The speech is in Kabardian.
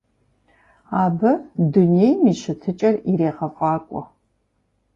Абы дунейм и щытыкӀэр ирегъэфӀакӀуэ.